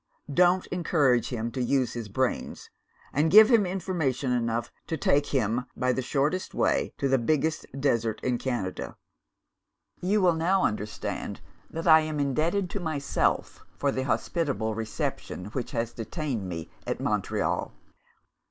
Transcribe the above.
Don't encourage him to use his brains; and give him information enough to take him, by the shortest way, to the biggest desert in Canada.' You will now understand that I am indebted to myself for the hospitable reception which has detained me at Montreal.